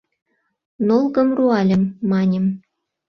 «Нолгым руальым» маньым, -